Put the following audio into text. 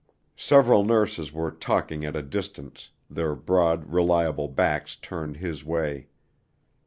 Several nurses were talking at a distance, their broad, reliable backs turned his way.